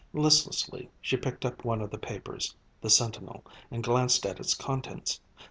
Listlessly she picked up one of the papers, the Sentinel, and glanced at its contents.